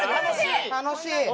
楽しい！